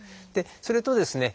それとですね